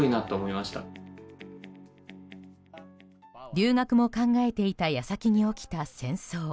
留学も考えていた矢先に起きた戦争。